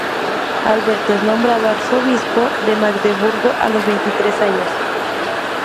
Alberto es nombrado arzobispo de Magdeburgo a los veintitrés años